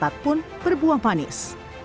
dan seketat pun berbuang panis